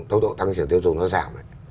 tốc độ tăng trưởng tiêu dùng nó giảm